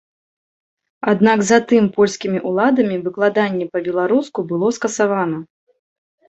Аднак затым польскімі ўладамі выкладанне па-беларуску было скасавана.